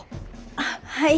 あっはい。